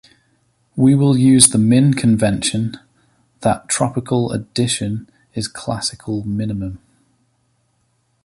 We will use the "min" convention", "that tropical addition is classical minimum".